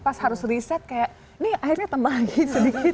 pas harus reset kayak ini airnya tembakin sedikit